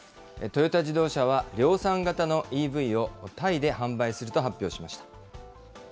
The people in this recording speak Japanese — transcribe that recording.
トヨタ自動車は量産型のＥＶをタイで販売すると発表しました。